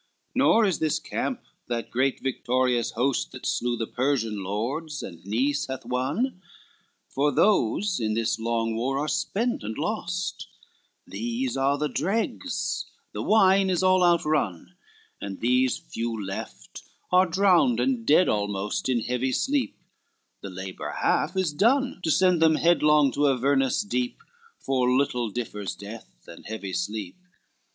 XVIII "Nor is this camp that great victorious host That slew the Persian lords, and Nice hath won: For those in this long war are spent and lost, These are the dregs, the wine is all outrun, And these few left, are drowned and dead almost In heavy sleep, the labor half is done To send them headlong to Avernus deep, For little differs death and heavy sleep.